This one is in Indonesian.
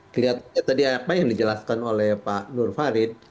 kelihatannya tadi apa yang dijelaskan oleh pak nur farid